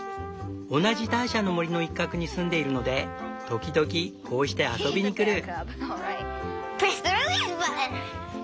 同じターシャの森の一角に住んでいるので時々こうして遊びに来る。